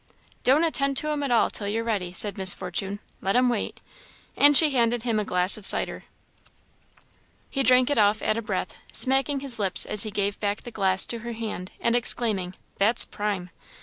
"Don't attend to 'em at all till you're ready," said Miss Fortune "let 'em wait." And she handed him a glass of cider. He drank it off at a breath, smacking his lips as he gave back the glass to her hand, and exclaiming, "That's prime!"